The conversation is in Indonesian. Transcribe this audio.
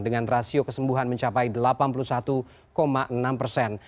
dengan rasio kesembuhan mencapai delapan puluh satu enam persen